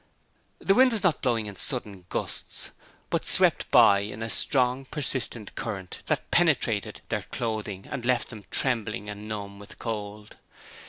The wind was not blowing in sudden gusts, but swept by in a strong, persistent current that penetrated their clothing and left them trembling and numb with cold.